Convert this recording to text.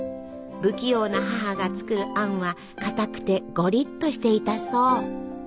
不器用な母が作るあんはかたくてごりっとしていたそう。